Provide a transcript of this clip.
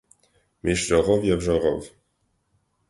- Միշտ ժողով և ժողով…